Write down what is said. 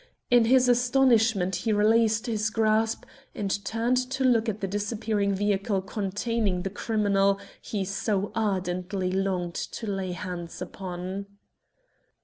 In his astonishment he released his grasp and turned to look at the disappearing vehicle containing the criminal he so ardently longed to lay hands upon.